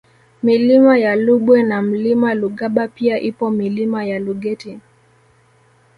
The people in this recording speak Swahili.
Milima ya Lubwe na Mlima Lugaba pia ipo Milima ya Lugeti